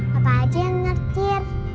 papa aja yang ngertir